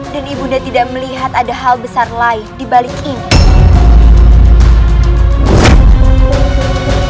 dan ibu nda tidak melihat ada hal besar lain di balik ini